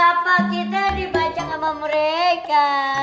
kenapa kita dibancang sama mereka